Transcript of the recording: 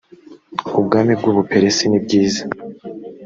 ubwami bw u buperesi nibwiza